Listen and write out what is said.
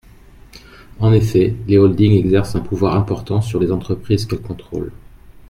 En effet, les holdings exercent un pouvoir important sur les entreprises qu’elles contrôlent.